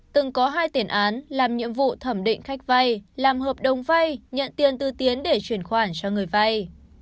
từng có hai tiền án làm nhiệm vụ thẩm định khách vay làm hợp đồng vay nhận tiền từ tiến để chuyển khoản cho người vay